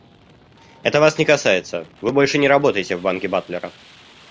Это вас не касается, вы больше не работаете в банке Батлера.